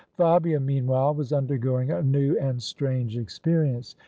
Fabia meanwhile was undergoing a new and strange experience.